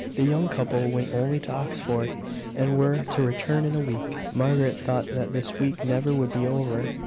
The young couple went only to Oxford, and were to return in a week. Margaret thought that this week never would be over.